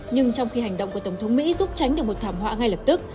nhưng trong khi hành động của tổng thống mỹ giúp tránh được một thảm họa ngay lập tức